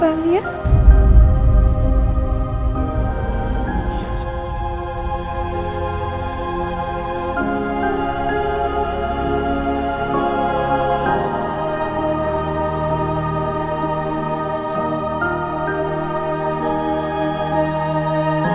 baru kamu lahiran ya